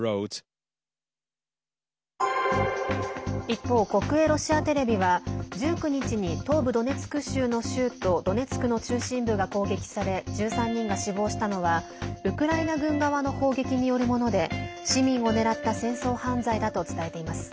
一方、国営ロシアテレビは１９日に東部ドネツク州の州都ドネツクの中心部が攻撃され１３人が死亡したのはウクライナ軍側の砲撃によるもので市民を狙った戦争犯罪だと伝えています。